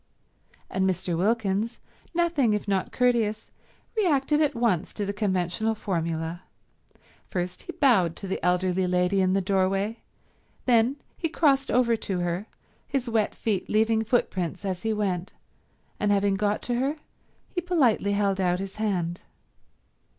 And Mr. Wilkins, nothing if not courteous, reacted at once to the conventional formula. First he bowed to the elderly lady in the doorway, then he crossed over to her, his wet feet leaving footprints as he went, and having got to her he politely held out his hand.